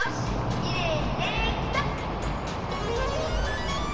きれいにできた！